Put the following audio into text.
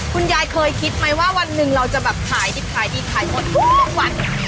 คุณยายเคยคิดไหมว่าวันหนึ่งเราจะแบบขายดิบขายดีขายหมดทุกวัน